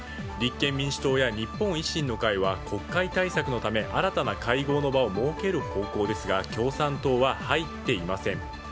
立憲民主党や日本維新の会は国会対策のため新たな会合の場を設ける方向ですが、共産党は入っていません。